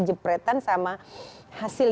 jepretan sama hasil